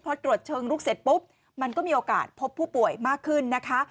พอตรวจเชิงลุกเสร็จปุ๊บมันก็มีโอกาสพบผู้ป่วยมากขึ้นนะคะ